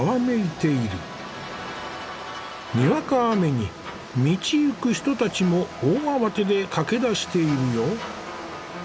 にわか雨に道行く人たちも大慌てで駆け出しているよ。